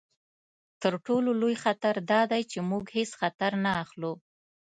تر ټولو لوی خطر دا دی چې موږ هیڅ خطر نه اخلو.